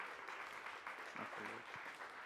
acolher